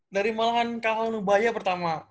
dari malahan kalah ubaya pertama